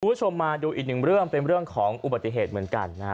คุณผู้ชมมาดูอีกหนึ่งเรื่องเป็นเรื่องของอุบัติเหตุเหมือนกันนะฮะ